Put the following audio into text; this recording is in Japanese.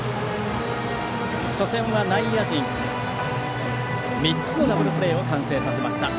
初戦は内野陣３つのダブルプレーを完成させました。